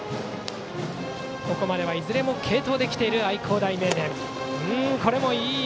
ここまではいずれも継投できている愛工大名電。